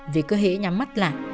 vì cơ hệ nhắm mắt lại